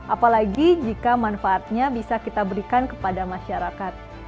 apalagi jika manfaatnya bisa kita berikan kepada masyarakat